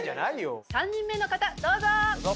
３人目の方どうぞ！